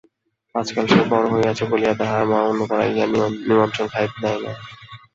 আজকাল সে বড় হইয়াছে বলিয়া তাহার মা অন্য পাড়ায় গিয়া নিমন্ত্রণ খাইতে দেয় না।